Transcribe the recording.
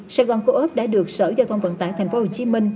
sài gòn co op đã được sở giao thông vận tải thành phố hồ chí minh